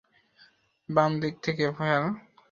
বাম দিক থেকে, ভ্যাল।